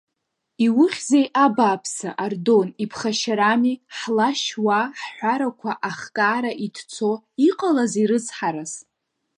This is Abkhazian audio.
Иухьзеи абааԥсы, Ардон, иԥхашьарами, ҳла шьуа, ҳҳәарақәа ахкаара иҭцо, иҟалазеи рыцҳарас?